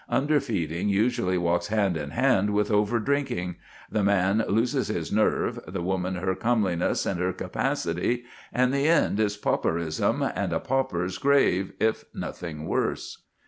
Underfeeding usually walks hand in hand with overdrinking; the man loses his nerve, the woman her comeliness and her capacity; and the end is pauperism and a pauper's grave, if nothing worse.